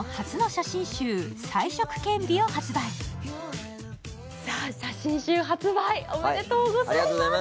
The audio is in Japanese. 写真集発売、おめでとうございます。